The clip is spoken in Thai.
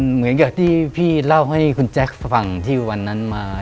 เหมือนกับที่พี่เล่าให้คุณแจ๊คฟังที่วันนั้นมา